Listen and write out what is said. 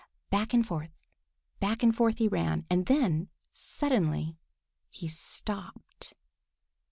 Back and forth, back and forth he ran, and then suddenly he stopped.